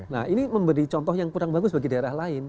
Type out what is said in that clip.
nah ini memberi contoh yang kurang bagus bagi daerah lain